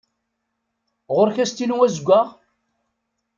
Ɣur-k astilu azeggaɣ?